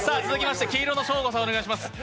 続きまして、黄色のショーゴさんお願いします。